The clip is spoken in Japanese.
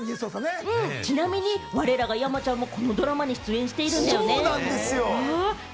ちなみに、われらが山ちゃんもこのドラマに出演してるんだよね。